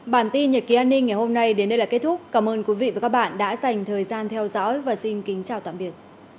bản tin nhật ký an ninh ngày hôm nay đến đây là kết thúc cảm ơn quý vị và các bạn đã dành thời gian theo dõi và xin kính chào tạm biệt